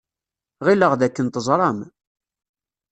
Ɣileɣ dakken teẓram.